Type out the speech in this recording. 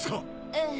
ええ